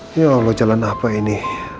ya allah jalan apa ini